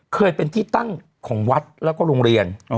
เคยเป็นที่ตั้งของวัดแล้วก็โรงเรียน